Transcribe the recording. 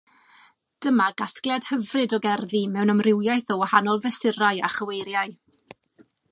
Dyma gasgliad hyfryd o gerddi mewn amrywiaeth o wahanol fesurau a chyweiriau.